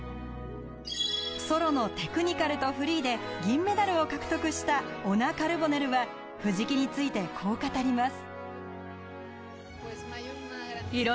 ソロのテクニカルとフリーで銀メダルを獲得したオナ・カルボネルは藤木について、こう語ります。